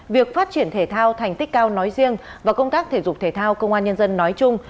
việc phát triển thể thao thành tích cao nói riêng và công tác thể dục thể thao công an nhân dân nói chung